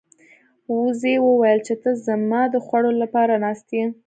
وزې وویل چې ته زما د خوړلو لپاره ناست یې.